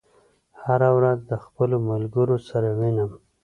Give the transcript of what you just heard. هره ورځ د خپلو ملګرو سره وینم.